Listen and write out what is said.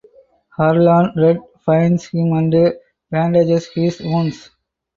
Harlan Red finds him and bandages his wounds.